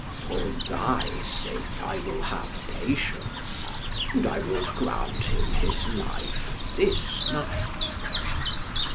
"For thy sake I will have patience, and I will grant him his life this night."